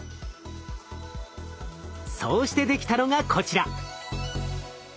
そうして出来たのがこちら。